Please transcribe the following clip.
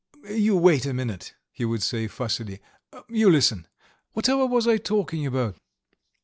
"You wait a minute," he would say fussily. "You listen. ... Whatever was I talking about?"